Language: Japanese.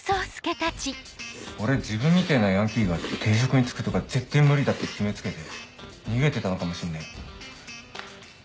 俺自分みてぇなヤンキーが定職に就くとかぜってぇ無理だって決め付けて逃げてたのかもしんねえ。